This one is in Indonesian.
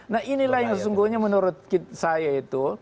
nah inilah yang sesungguhnya menurut saya itu